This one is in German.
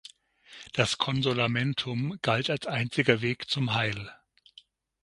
Das "Consolamentum" galt als einziger Weg zum Heil.